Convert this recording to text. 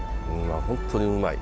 本当にうまい。